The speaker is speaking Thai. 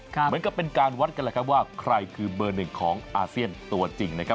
เหมือนกับเป็นการวัดกันแหละครับว่าใครคือเบอร์หนึ่งของอาเซียนตัวจริงนะครับ